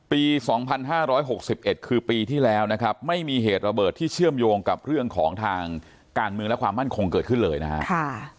ปี๒๕๖๑คือปีที่แล้วนะครับไม่มีเหตุระเบิดที่เชื่อมโยงกับเรื่องของทางการเมืองและความมั่นคงเกิดขึ้นเลยนะครับ